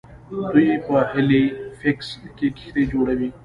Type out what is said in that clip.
دوی په هیلیفیکس کې کښتۍ جوړوي.